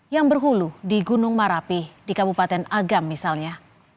yang berhulu di gunung marapi di kabupaten agam misalnya